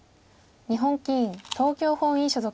日本棋院東京本院所属。